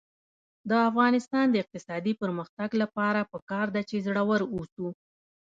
د افغانستان د اقتصادي پرمختګ لپاره پکار ده چې زړور اوسو.